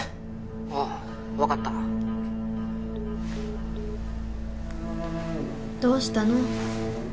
☎ああ分かったどうしたの？